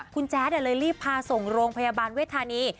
คุณแจ๊ดเลยรีบพาส่งโรงพยาบาลเวทธานี